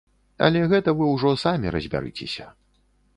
Але гэта вы ўжо самі разбярыцеся.